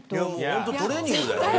ほんとトレーニングだよね。